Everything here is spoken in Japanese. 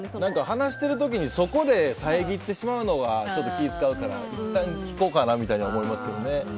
話してる時にそこで遮ってしまうのは気を使うから、いったん聞こうかなと思いますけどね。